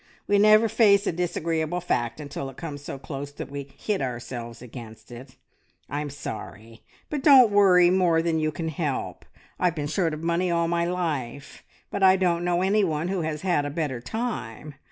"We never face a disagreeable fact until it comes so close that we hit ourselves against it. I'm sorry; but don't worry more than you can help. I've been short of money all my life, but I don't know anyone who has had a better time.